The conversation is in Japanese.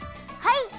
はい！